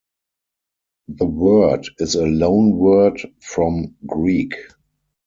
The word is a loanword from Greek.